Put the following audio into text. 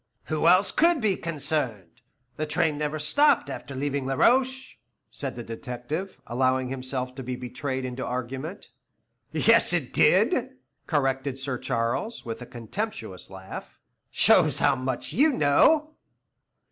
"Who else could be concerned? The train never stopped after leaving Laroche," said the detective, allowing himself to be betrayed into argument. "Yes, it did," corrected Sir Charles, with a contemptuous laugh; "shows how much you know."